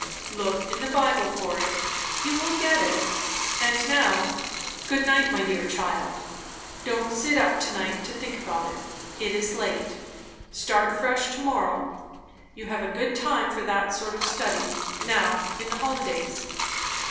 "Look in the Bible for it. You will get it. And now, good night, my dear child! Don't sit up to night to think about it; it is late. Start fresh to morrow. You have a good time for that sort of study, now in the holidays."